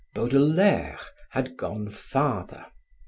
Baudelaire had gone farther.